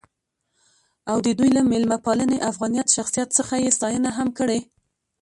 او د دوي له میلمه پالنې ،افغانيت ،شخصیت څخه يې ستاينه هم کړې.